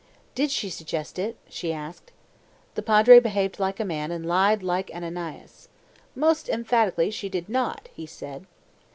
"Did she suggest it?" she asked. The Padre behaved like a man, and lied like Ananias. "Most emphatically she did not," he said.